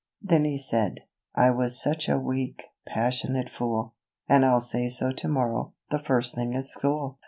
Then he said, "I was such a weak, passionate fool, And I'll say so to morrow, the first thing at school.